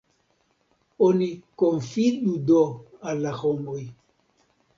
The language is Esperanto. Oni konfidu do al la homoj!